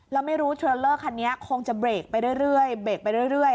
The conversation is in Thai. แล้วไม่รู้เทราเลอร์คันนี้คงจะเบรกไปเรื่อย